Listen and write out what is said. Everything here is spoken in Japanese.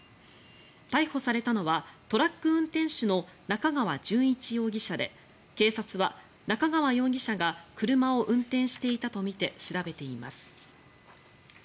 逮捕されたのはトラック運転手の中川淳一容疑者で警察は中川容疑者が車を運転していたとみて調べています。